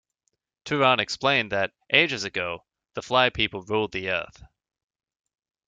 Turan explained that, ages ago, the Fly People ruled the Earth.